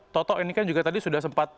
toto ini kan juga tadi sudah sempat